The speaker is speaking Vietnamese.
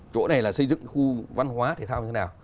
chỗ này là xây dựng khu văn hóa thể thao như thế nào